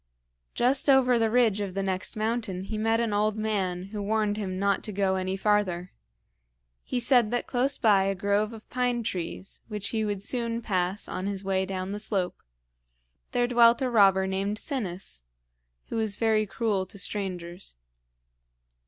Just over the ridge of the next mountain he met an old man who warned him not to go any farther. He said that close by a grove of pine trees, which he would soon pass on his way down the slope, there dwelt a robber named Sinis, who was very cruel to strangers.